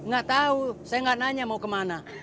ga tau saya ga nanya mau kemana